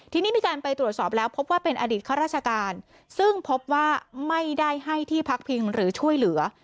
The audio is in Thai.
ทีนี้มีการไปตรวจสอบแล้วพบว่าเป็นอดีตข้าราชการซึ่งพบว่าไม่ได้ให้ที่พักพิงหรือช่วยเหลือ